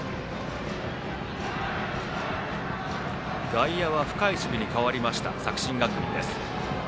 外野は深い守備に変わりました作新学院です。